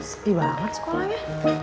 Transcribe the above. seti banget sekolahnya